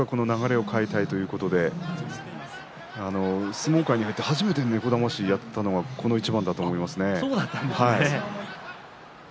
なんとか、その流れを変えたいということで相撲界に入って初めて猫だましをやったのがこの一番でした。